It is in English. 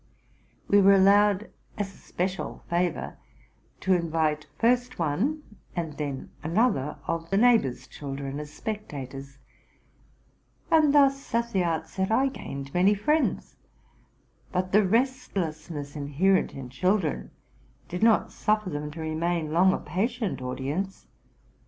We were allowed, as a special favor, to invite first one and then another of the neighbor's children as spectators ; and thus at the outset I gained many friends, but the restlessness inherent in children did not suffer them to remain long a patient audience.